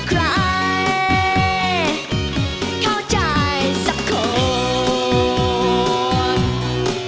กลายเข้าใจสับคม